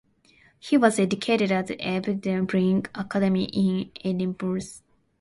He was educated at Edinburgh Academy in Edinburgh.